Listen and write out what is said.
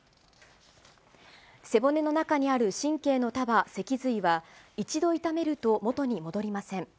背骨の中にある神経の束、脊髄は、一度傷めると元に戻りません。